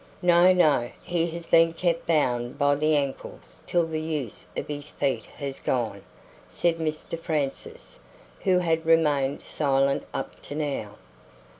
"No, no; he has been kept bound by the ankles till the use of his feet has gone," said Mr Francis, who had remained silent up to now.